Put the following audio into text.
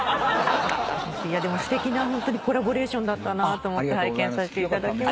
でもすてきなホントにコラボレーションだったなと思って拝見させていただきました。